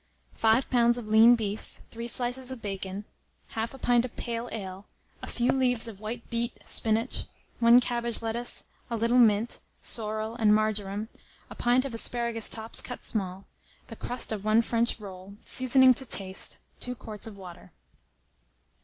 5 lbs. of lean beef, 3 slices of bacon, 1/2 pint of pale ale, a few leaves of white beet, spinach, 1 cabbage lettuce, a little mint, sorrel, and marjoram, a pint of asparagus tops cut small, the crust of 1 French roll, seasoning to taste, 2 quarts of water.